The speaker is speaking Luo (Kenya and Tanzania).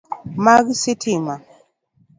Mag sitima.